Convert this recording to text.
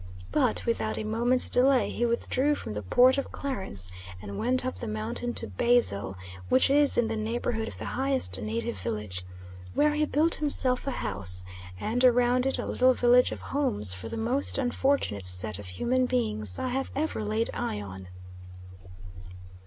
But without a moment's delay he withdrew from the Port of Clarence and went up the mountain to Basile, which is in the neighbourhood of the highest native village, where he built himself a house, and around it a little village of homes for the most unfortunate set of human beings I have ever laid eye on.